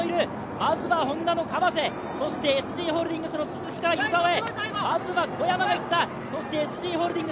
まずはＨｏｎｄａの川瀬、ＳＧホールディングスの鈴木から湯澤へ。